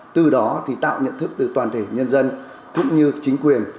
từ đó thì tạo nhận thức từ toàn thể nhân dân cũng như chính quyền